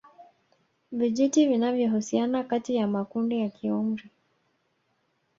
Vijiti vinavyohusiana kati ya makundi ya kiumri